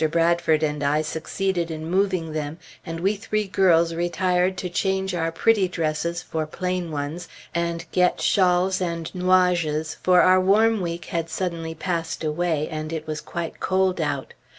Bradford and I succeeded in moving them, and we three girls retired to change our pretty dresses for plain ones, and get shawls and nuages, for our warm week had suddenly passed away, and it was quite cold out.